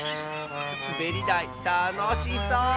すべりだいたのしそう！